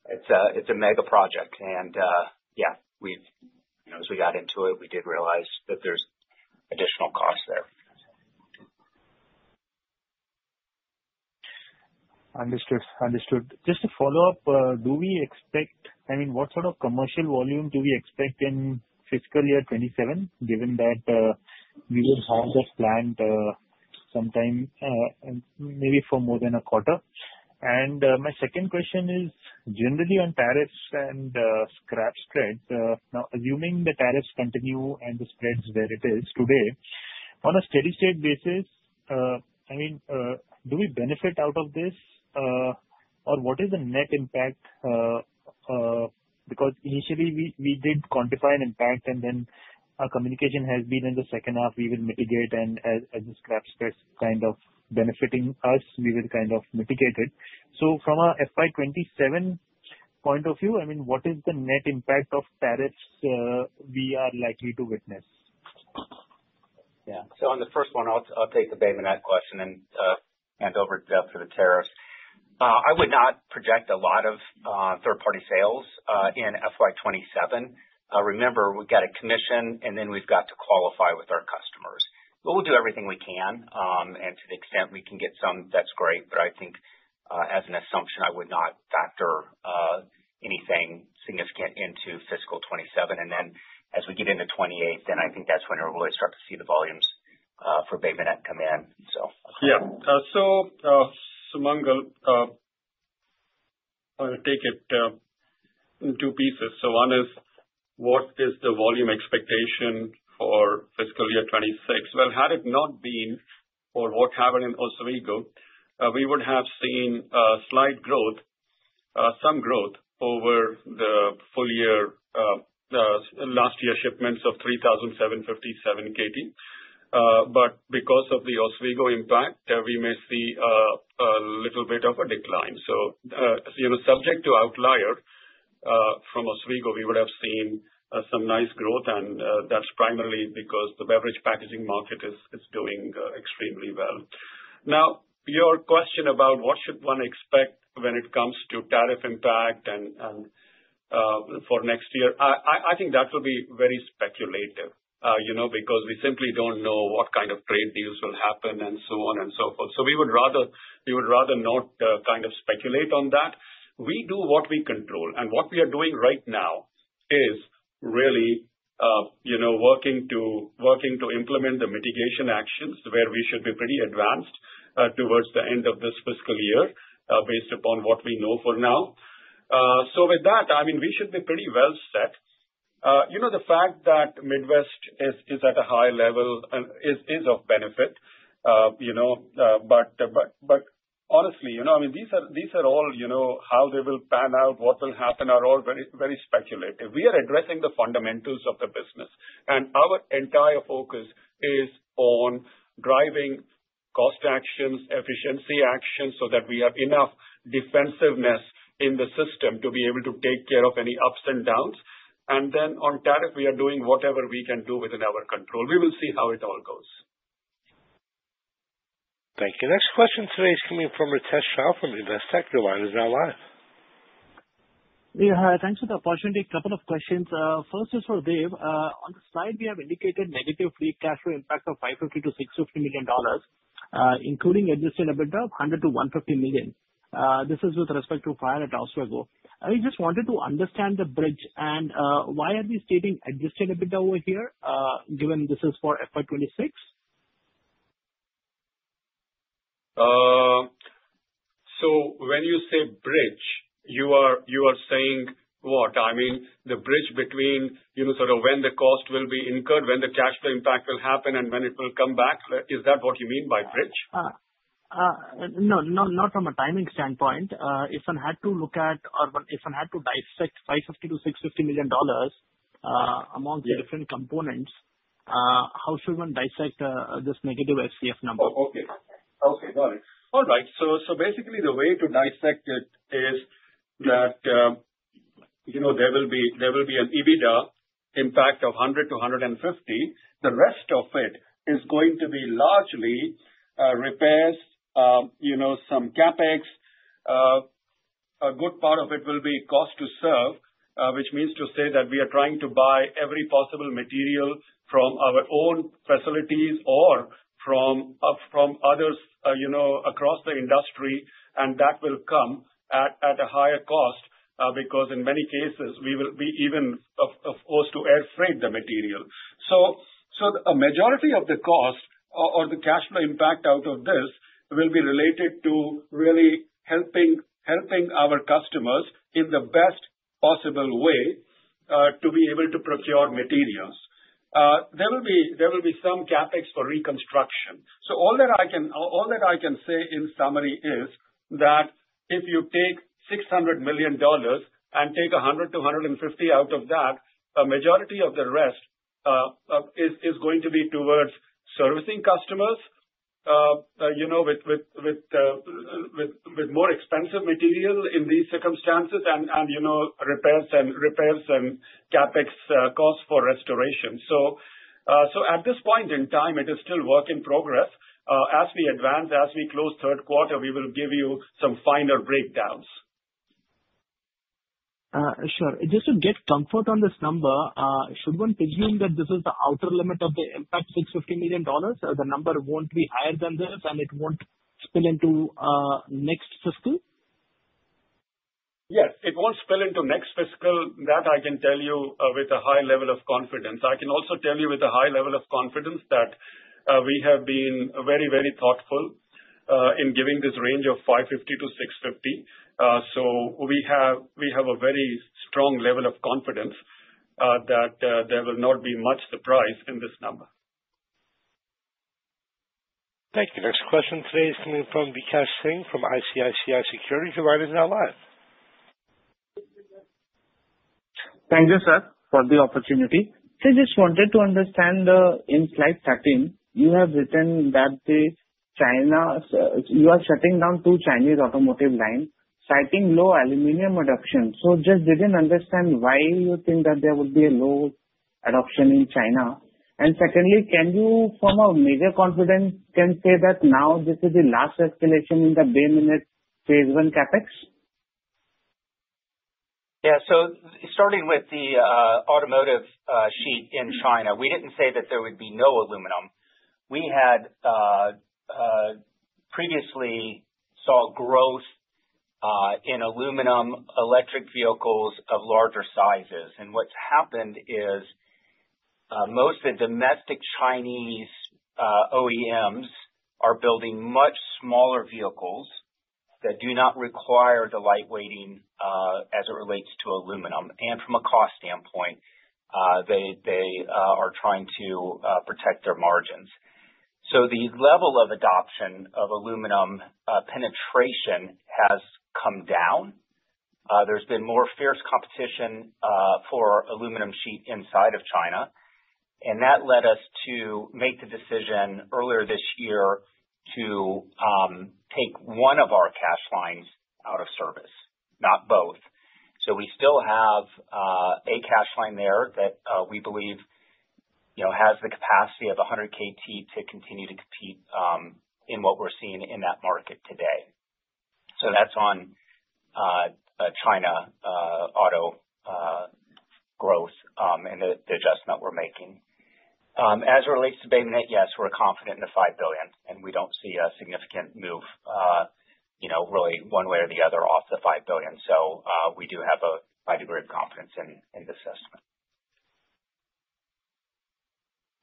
It's a, it's a mega project and, yeah, we've, you know, as we got into it, we did realize that there's additional costs there. Understood. Understood. Just to follow up, I mean, what sort of commercial volume do we expect in fiscal year 27, given that we would have the plant sometime maybe for more than a quarter? My second question is generally on tariffs and scrap spreads. Now, assuming the tariffs continue and the spreads where it is today, on a steady state basis, I mean, do we benefit out of this, or what is the net impact? Because initially we did quantify an impact, and then our communication has been in the second half, we will mitigate and as the scrap spreads kind of benefiting us, we will kind of mitigate it. From a FY 2027 point of view, I mean, what is the net impact of tariffs, we are likely to witness? On the first one, I'll take the Bay Minette question and hand over to Dev for the tariffs. I would not project a lot of third-party sales in FY 27. Remember, we've got to commission and then we've got to qualify with our customers. We'll do everything we can, and to the extent we can get some, that's great, but I think as an assumption, I would not factor anything significant into fiscal 27. As we get into 28, I think that's when we'll really start to see the volumes for Bay Minette come in. Yeah. Sumangal, I'll take it in two pieces. One is, what is the volume expectation for fiscal year 2026? Well, had it not been for what happened in Oswego, we would have seen slight growth, some growth over the full year, the last year shipments of 3,757 KT. Because of the Oswego impact, we may see a little bit of a decline. You know, subject to outlier from Oswego, we would have seen some nice growth, and that's primarily because the beverage packaging market is doing extremely well. Your question about what should one expect when it comes to tariff impact and, for next year, I think that will be very speculative, you know, because we simply don't know what kind of trade deals will happen and so on and so forth. We would rather not kind of speculate on that. We do what we control, and what we are doing right now is really, you know, working to implement the mitigation actions, where we should be pretty advanced towards the end of this fiscal year, based upon what we know for now. With that, I mean, we should be pretty well set. You know, the fact that Midwest is at a high level and is of benefit, you know, but honestly, you know, I mean, these are all, you know, how they will pan out, what will happen are all very, very speculative. We are addressing the fundamentals of the business. Our entire focus is on cost actions, efficiency actions, so that we have enough defensiveness in the system to be able to take care of any ups and downs. Then on tariff, we are doing whatever we can do within our control. We will see how it all goes. Thank you. Next question today is coming from Ritesh Shah from Investec. The line is now live. Hi. Thanks for the opportunity. A couple of questions. First is for Dave. On the slide, we have indicated negative free cash flow impact of $550 million-$650 million, including adjusted EBITDA of $100 million-$150 million. This is with respect to prior results ago. I just wanted to understand the bridge and why are we stating adjusted EBITDA over here, given this is for FY26? When you say bridge, you are saying what? I mean, the bridge between, you know, sort of when the cost will be incurred, when the cash flow impact will happen, and when it will come back. Is that what you mean by bridge? No, not from a timing standpoint. If one had to look at or if one had to dissect $500 million-$650 million among the different components, how should one dissect, this negative FCF number? Okay, got it. Basically, the way to dissect it is that, you know, there will be an EBITDA impact of $100-$150. The rest of it is going to be largely repairs, you know, some CapEx. A good part of it will be cost to serve, which means to say that we are trying to buy every possible material from our own facilities or from others, you know, across the industry, and that will come at a higher cost, because in many cases, we will be even afford to air freight the material. A majority of the cost or the cash flow impact out of this will be related to really helping our customers in the best possible way to be able to procure materials. There will be some CapEx for reconstruction. All that I can say in summary is that if you take $600 million and take $100-$150 out of that, a majority of the rest is going to be towards servicing customers, you know, with more expensive material in these circumstances and, you know, repairs and CapEx costs for restoration. At this point in time, it is still work in progress. As we advance, as we close third quarter, we will give you some finer breakdowns. Sure. Just to get comfort on this number, should one presume that this is the outer limit of the impact, $650 million, the number won't be higher than this, and it won't spill into next fiscal? Yes, it won't spill into next fiscal. That I can tell you with a high level of confidence. I can also tell you with a high level of confidence that we have been very, very thoughtful in giving this range of $550-$650. We have a very strong level of confidence that there will not be much surprise in this number. Thank you. Next question today is coming from Vikash Singh, from ICICI Securities. Your line is now live. Thank you, sir, for the opportunity. I just wanted to understand, in slide 13, you have written that you are shutting down two Chinese automotive lines, citing low aluminum adoption. Just didn't understand why you think that there would be a low adoption in China. Secondly, can you from a major confidence, can say that now this is the last escalation in the Bay Minette Phase 1 CapEx? Yeah. Starting with the automotive sheet in China, we didn't say that there would be no aluminum. We had previously saw growth in aluminum electric vehicles of larger sizes. What's happened is most of the domestic Chinese OEMs are building much smaller vehicles that do not require the lightweighting as it relates to aluminum. From a cost standpoint, they are trying to protect their margins. The level of adoption of aluminum penetration has come down. There's been more fierce competition for aluminum sheet inside of China, and that led us to make the decision earlier this year to take one of our casting lines out of service, not both. We still have a casting line there that we believe, you know, has the capacity of 100 kilotons to continue to compete in what we're seeing in that market today. That's on China auto growth and the adjustment we're making. As it relates to Bay Minette, yes, we're confident in the $5 billion, and we don't see a significant move, you know, really one way or the other off the $5 billion. We do have a high degree of confidence in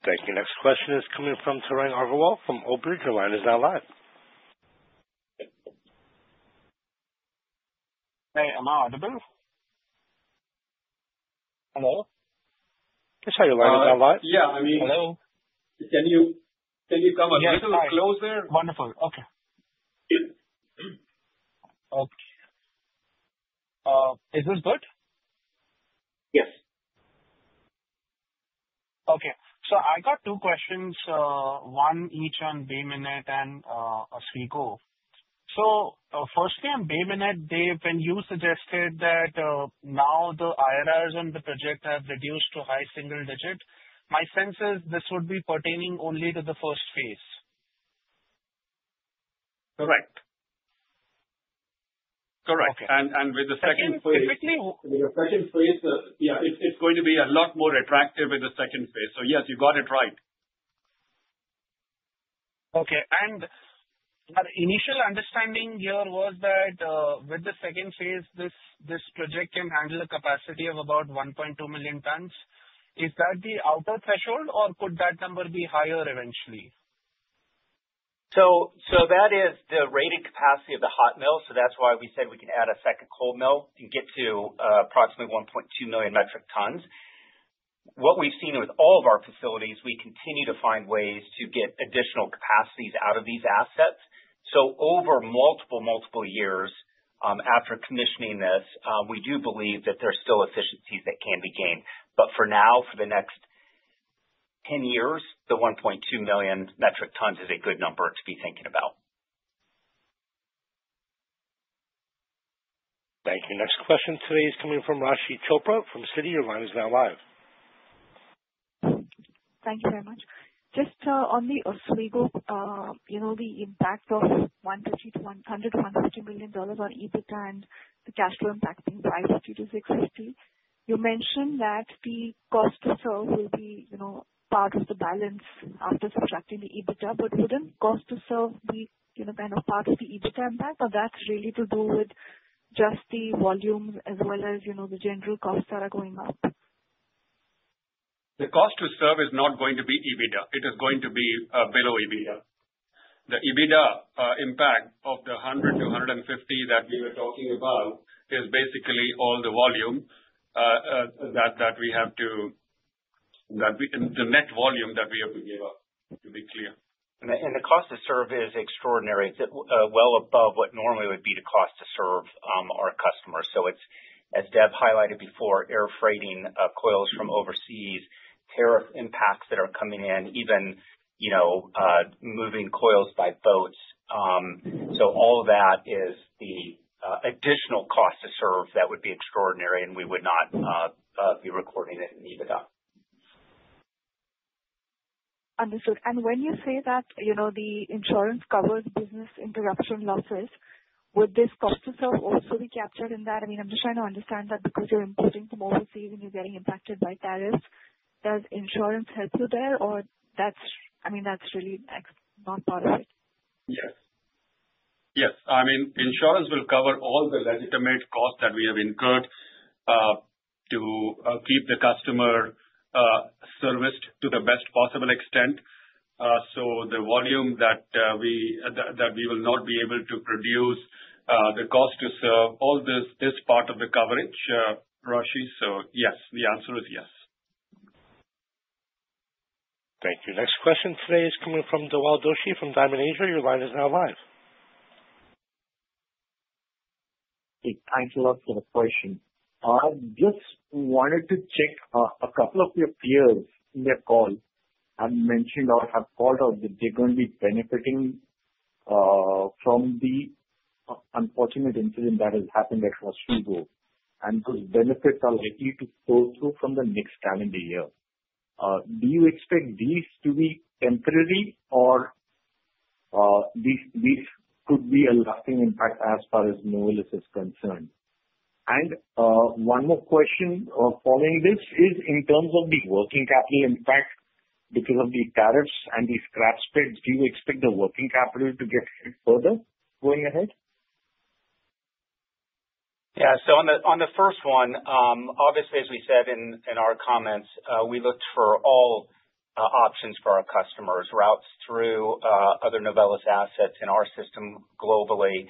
this assessment. Thank you. Next question is coming from Tarang Agrawal from Old Bridge. Your line is now live. Hey, am I audible? Hello? Just how your line is alive? Yeah, I mean. Hello. Can you come a little closer? Wonderful. Okay. Okay. Is this good? Yes. I got two questions, one each on Bay Minette and Oswego. Firstly, on Bay Minette, Dave, when you suggested that now the IRRs on the project have reduced to high single digit, my sense is this would be pertaining only to the first phase. Correct. Correct. Okay. with the second phase- Typically- The second phase, yeah, it's going to be a lot more attractive in the second phase. Yes, you got it right. Okay. Our initial understanding here was that, with the second phase, this project can handle a capacity of about 1.2 million tons. Is that the upper threshold, or could that number be higher eventually? That is the rated capacity of the hot mill, that's why we said we can add a second cold mill and get to approximately 1.2 million metric tons. What we've seen with all of our facilities, we continue to find ways to get additional capacities out of these assets. Over multiple years, after commissioning this, we do believe that there are still efficiencies that can be gained. For now, for the next 10 years, the 1.2 million metric tons is a good number to be thinking about. Thank you. Next question today is coming from Raashi Chopra from Citi. Your line is now live. Thank you very much. Just on the Oswego, you know, the impact of one to two to $100 to $100 million on EBITDA and the cash flow impacting $500-$650 million. You mentioned that the cost to serve will be, you know, part of the balance after subtracting the EBITDA, but wouldn't cost to serve be, you know, kind of part of the EBITDA impact, or that's really to do with just the volumes as well as, you know, the general costs that are going up? The cost to serve is not going to be EBITDA. It is going to be below EBITDA. The EBITDA impact of the $100-$150 that we were talking about is basically all the volume that we have to give up, to be clear. The cost to serve is extraordinary. It's well above what normally would be the cost to serve our customers. It's, as Dev highlighted before, air freighting coils from overseas, tariff impacts that are coming in, even, you know, moving coils by boats. All of that is the additional cost to serve that would be extraordinary, and we would not be recording it in EBITDA. Understood. When you say that, you know, the insurance covers business interruption losses, would this cost to serve also be captured in that? I mean, I'm just trying to understand that because you're importing from overseas and you're getting impacted by tariffs, does insurance help you there or that's, I mean, that's really not part of it? Yes. Yes. I mean, insurance will cover all the legitimate costs that we have incurred, to keep the customer serviced to the best possible extent. The volume that we will not be able to produce, the cost to serve all this part of the coverage, Rashi. Yes, the answer is yes. Thank you. Next question today is coming from Dhaval Doshi, from Kotak Securities. Your line is now live. Hey, thanks a lot for the question. I just wanted to check, a couple of your peers in their call have mentioned or have called out that they're going to be benefiting from the unfortunate incident that has happened at Oswego, and those benefits are ready to flow through from the next calendar year. Do you expect these to be temporary or these could be a lasting impact as far as Novelis is concerned? One more question, following this, is in terms of the working capital impact because of the tariffs and the scrap spreads, do you expect the working capital to get hit further going ahead? Yeah. On the, on the first one, obviously, as we said in our comments, we looked for all options for our customers, routes through other Novelis assets in our system globally.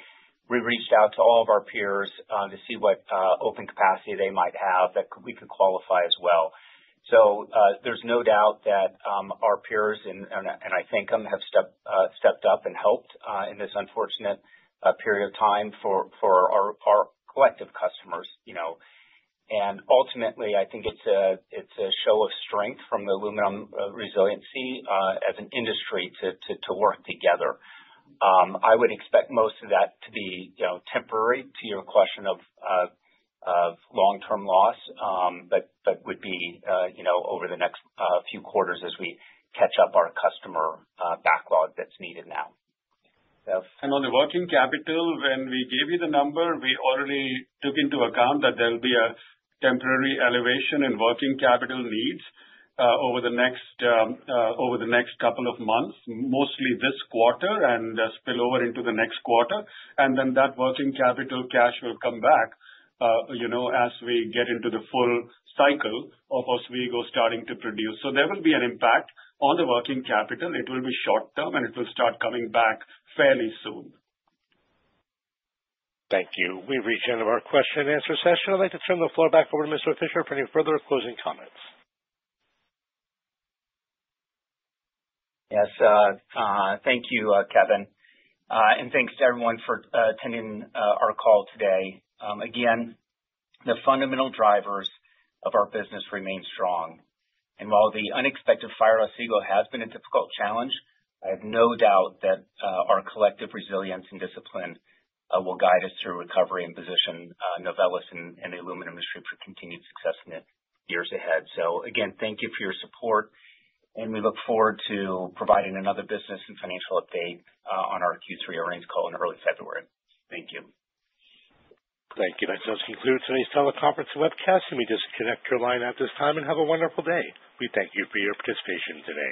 We reached out to all of our peers to see what open capacity they might have that we could qualify as well. There's no doubt that our peers, and I thank them, have stepped up and helped in this unfortunate period of time for our collective customers, you know. Ultimately, I think it's a, it's a show of strength from the aluminum resiliency as an industry to work together. I would expect most of that to be, you know, temporary to your question of long-term loss, but that would be, you know, over the next few quarters as we catch up our customer backlog that's needed now. Yes. On the working capital, when we gave you the number, we already took into account that there will be a temporary elevation in working capital needs over the next couple of months, mostly this quarter and spill over into the next quarter. Then that working capital cash will come back, you know, as we get into the full cycle of Oswego starting to produce. There will be an impact on the working capital. It will be short term, and it will start coming back fairly soon. Thank you. We've reached the end of our question and answer session. I'd like to turn the floor back over to Mr. Fisher for any further closing comments. Yes. Thank you, Kevin. Thanks to everyone for attending our call today. Again, the fundamental drivers of our business remain strong, and while the unexpected fire at Oswego has been a difficult challenge, I have no doubt that our collective resilience and discipline will guide us through recovery and position Novelis and the aluminum industry for continued success in the years ahead. Again, thank you for your support, and we look forward to providing another business and financial update on our Q3 earnings call in early February. Thank you. Thank you. That does conclude today's teleconference webcast. Let me disconnect your line at this time, and have a wonderful day. We thank you for your participation today.